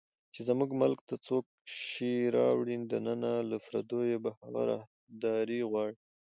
چې زموږ ملک ته څوک شی راوړي دننه، له پردیو به هغه راهداري غواړي